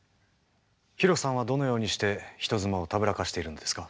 ヒロさんはどのようにして人妻をたぶらかしているんですか？